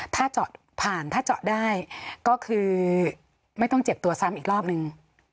ถ้าเจาะผ่านถ้าเจาะได้ก็คือไม่ต้องเจ็บตัวซ้ำอีกรอบนึง